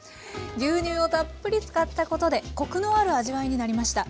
牛乳をたっぷり使ったことでコクのある味わいになりました。